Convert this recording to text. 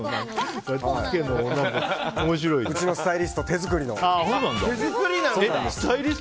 うちのスタイリスト手作りの。